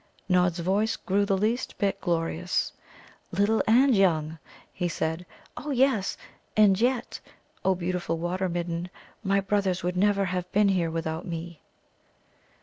Nod's voice grew the least bit glorious. "'Little and young,'" he said. "Oh yes. And yet, O beautiful Water midden, my brothers would never have been here without me."